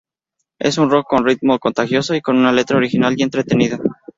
Es un rock con ritmo contagioso y con una letra original y entretenida.